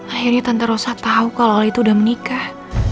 akhirnya tante rosa tau kalau al itu udah menikah